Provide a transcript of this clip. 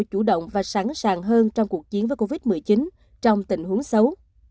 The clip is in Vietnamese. chủ động và sẵn sàng hơn trong cuộc chiến với covid một mươi chín trong tình huống xấu